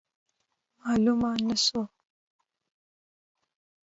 معلومه نه سوه.